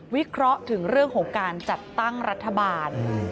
วิเคราะห์ถึงเรื่องของการจัดตั้งรัฐบาล